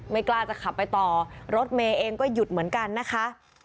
กล้าจะขับไปต่อรถเมย์เองก็หยุดเหมือนกันนะคะ